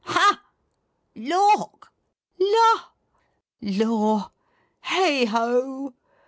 Ha! Lauk! La! Lor! Heigho!